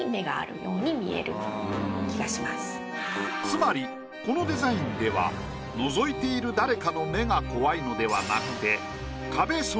つまりこのデザインではのぞいている誰かの目が怖いのではなくて。